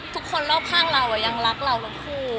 คนรอบข้างเรายังรักเราทั้งคู่